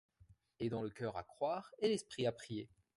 Aidant le coeur à croire et l'esprit à prier